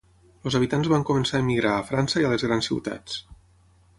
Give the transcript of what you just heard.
Els habitants van començar a emigrar a França i a les grans ciutats.